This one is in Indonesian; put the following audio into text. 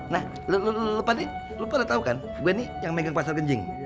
nah lu pada tau kan gue ini yang megang pasar genjing